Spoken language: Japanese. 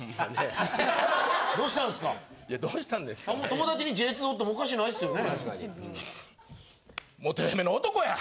友達にＪ２おってもおかしないっすよね？